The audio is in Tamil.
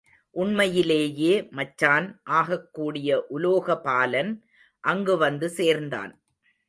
உண்மையிலேயே மச்சான் ஆகக் கூடிய உலோகபாலன் அங்கு வந்து சேர்ந்தான்.